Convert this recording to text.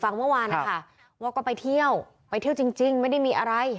เมื่อวานนะคะว่าก็ไปเที่ยวไปเที่ยวจริงจริงไม่ได้มีอะไร